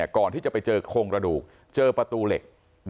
ก่อนที่จะไปเจอโครงกระดูกเจอประตูเหล็ก